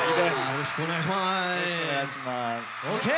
よろしくお願いします。ＯＫ！